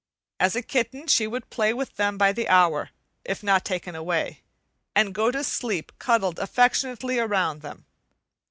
As a kitten, she would play with them by the hour, if not taken away, and go to sleep cuddled affectionately around them.